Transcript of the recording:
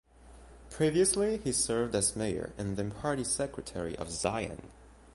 Previously he served as mayor and then party secretary of Ziyang.